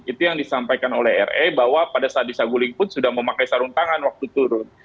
itu yang disampaikan oleh re bahwa pada saat di saguling pun sudah memakai sarung tangan waktu turun